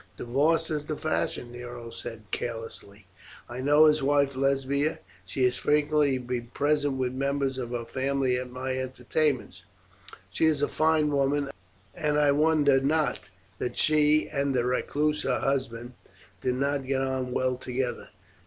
"Divorce is the fashion," Nero said carelessly. "I know his wife Lesbia, she has frequently been present with members of her family at my entertainments. She is a fine woman, and I wonder not that she and the recluse her husband did not get on well together.